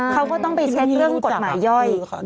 เขาก็ต้องไปเช็คเรื่องกฎหมายย่อย